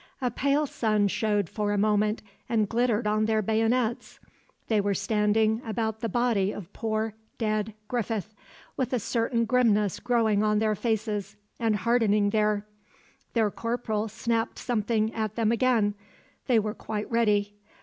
A pale sun showed for a moment and glittered on their bayonets. They were standing about the body of poor, dead Griffith, with a certain grimness growing on their faces and hardening there. Their corporal snapped something at them again; they were quite ready.